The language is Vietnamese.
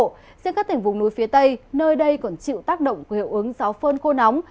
riêng các tỉnh vùng núi phía tây nơi đây còn chịu tác động của hiệu ứng gió phơn khô nóng